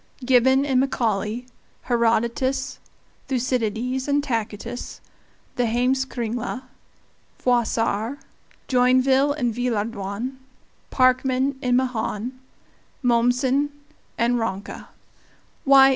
Gibbon and Macaulay, Herodotus, Thucydides and Tacitus, the Heimskringla, Froissart, Joinville and Villehardouin, Parkman and Mahan, Mommsen and Ranke why!